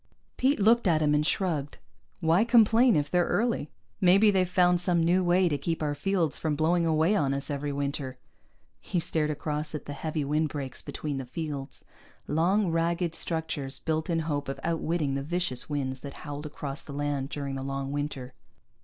Pete looked at him, and shrugged. "Why complain if they're early? Maybe they've found some new way to keep our fields from blowing away on us every winter." He stared across at the heavy windbreaks between the fields long, ragged structures built in hope of outwitting the vicious winds that howled across the land during the long winter.